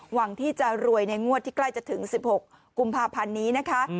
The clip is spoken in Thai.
หวังที่จะรวยในงวดที่ใกล้จะถึง๑๖กุมภาพันธ์นี้นะคะ